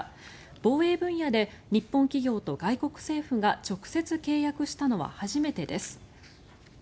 防衛分野で日本企業と外国政府が直接契約したのは初めてです。